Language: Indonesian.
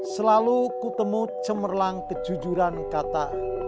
selalu kutemu cemerlang kejujuran kata